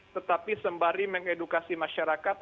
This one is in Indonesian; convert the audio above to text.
tetapi sembari mengedukasi masyarakat